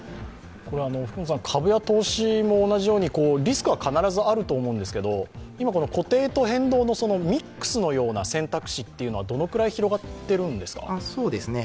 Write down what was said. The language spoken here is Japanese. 株や投資も同じようにリスクは必ずあると思うんですけど今この固定と変動のミックスのような選択肢というのはどのくらい広がっているんですか？